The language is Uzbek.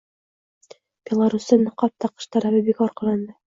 Belarusda niqob taqish talabi bekor qilindi